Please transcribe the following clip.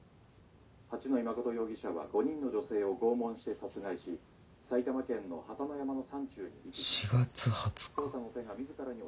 八野衣真容疑者は５人の女性を拷問して殺害し埼玉県のハタノヤマの山中に。